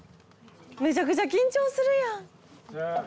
めちゃくちゃ緊張するやん。